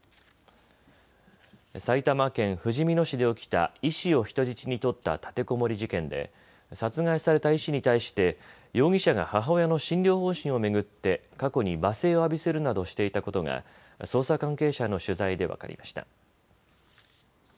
埼玉県ふじみ野市で起きた医師を人質に取った立てこもり事件で殺害された医師に対して容疑者が母親の診療方針を巡って過去に罵声を浴びせるなどしていたことが、捜査関係者への取材で分かりました。